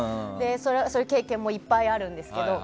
そういう経験もいっぱいあるんですけど。